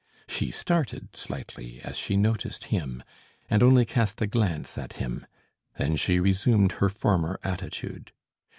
She started slightly as she noticed him and only cast a glance at him; then she resumed her former attitude.